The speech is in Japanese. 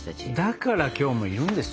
だからきょうもいるんです！